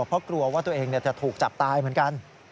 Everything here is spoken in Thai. เพราะกลัวว่าตัวเองจะถูกจับตายเหมือนกัน